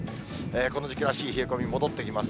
この時期らしい冷え込みに戻ってきます。